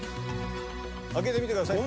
開けてみてください。